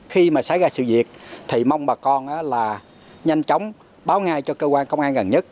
khi mà xảy ra sự việc thì mong bà con là nhanh chóng báo ngay cho cơ quan công an gần nhất